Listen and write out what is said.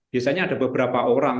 biasanya ada beberapa orang